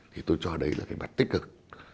thì tôi cho đấy là cái mặt tích cực